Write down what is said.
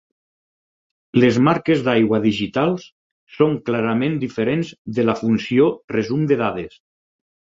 Les marques d'aigua digitals són clarament diferents de la funció resum de dades.